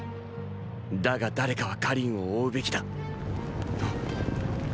だが誰かは燐を追うべきだん？